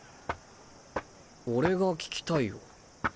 俺が聞きたいよ。